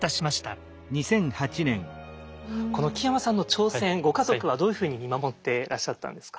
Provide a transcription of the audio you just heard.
この木山さんの挑戦ご家族はどういうふうに見守ってらっしゃったんですか？